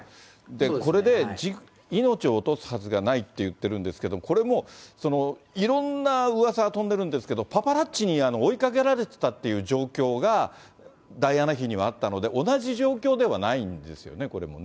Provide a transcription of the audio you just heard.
これで命を落とすはずがないって言ってるんですけど、これもいろんなうわさが飛んでるんですけど、パパラッチに追いかけられてたっていう状況がダイアナ妃にはあったので、同じ状況ではないんですよね、これもね。